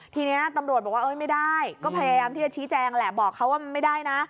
ทีนี้ตำรวจบอกว่าไม่ได้ก็พยายามที่จะชี้แจงแหละบอกเขาว่ามันไม่ได้นะ